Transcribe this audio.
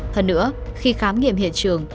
hơn nữa khi khám nghiệm hiện trường